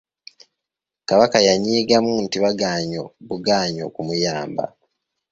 Kabaka yanyiigamu nti bagaanyi bugaanyi okumuyamba.